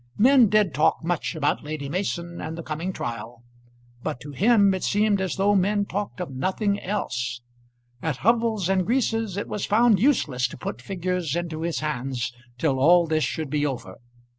Men did talk much about Lady Mason and the coming trial; but to him it seemed as though men talked of nothing else. At Hubbles and Grease's it was found useless to put figures into his hands till all this should be over.